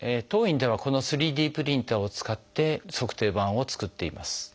当院ではこの３Ｄプリンターを使って足底板を作っています。